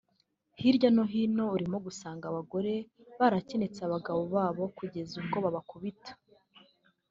hirya no hino urimo gusanga abagore barakenetse abagabo babo kugeza ubwo babakubita